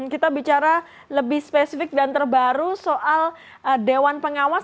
kita bicara lebih spesifik dan terbaru soal dewan pengawas